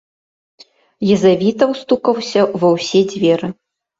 Езавітаў стукаўся ва ўсе дзверы.